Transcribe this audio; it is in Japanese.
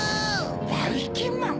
ばいきんまん！